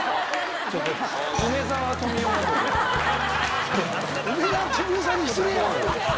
梅沢富美男さんに失礼やろ！